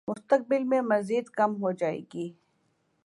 مستقبل میں مزید کم ہو جائے گی